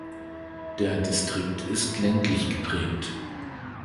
Der Distrikt ist ländlich geprägt.